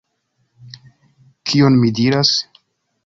Kion mi diras?